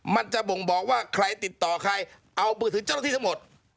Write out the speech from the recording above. มันจะบ่งบอกว่าใครติดต่อใครเอามือถือเจ้าหน้าที่ทั้งหมด